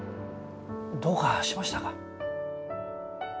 どうかしましたか？